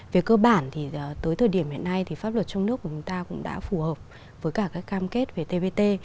về cơ bản thì tới thời điểm hiện nay thì pháp luật trong nước của chúng ta cũng đã phù hợp với cả các cam kết về tbt